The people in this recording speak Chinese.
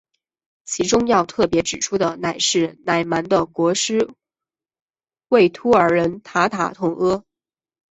其中要特别指出的是乃蛮的国师畏兀儿人塔塔统阿。